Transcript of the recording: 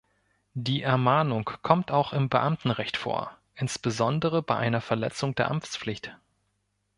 Die Ermahnung kommt auch im Beamtenrecht vor, insbesondere bei einer Verletzung der Amtspflicht.